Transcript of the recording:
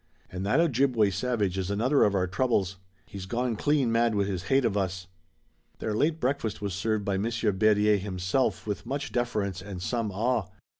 "And that Ojibway savage is another of our troubles. He's gone clean mad with his hate of us." Their late breakfast was served by Monsieur Berryer himself with much deference and some awe.